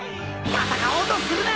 戦おうとするな！